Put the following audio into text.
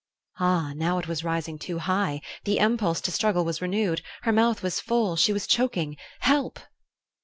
Ah, now it was rising too high; the impulse to struggle was renewed;... her mouth was full;... she was choking.... Help!